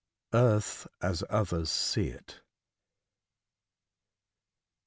EARTH AS OTHERS SEE IT.